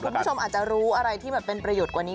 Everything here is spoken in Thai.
คุณผู้ชมอาจจะรู้อะไรที่แบบเป็นประโยชน์กว่านี้